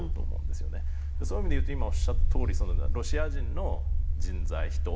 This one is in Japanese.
そういう意味で言うと今おっしゃったとおりロシア人の人材人。